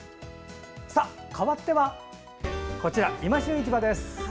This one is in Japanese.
かわっては「いま旬市場」です。